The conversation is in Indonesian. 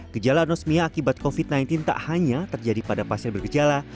gejala anosmia akibat covid sembilan belas tak hanya terjadi pada pasien bergejala